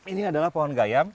salah satunya adalah pohon gayam